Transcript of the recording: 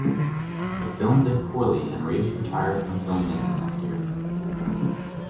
The film did poorly and Reeves retired from filmmaking that year.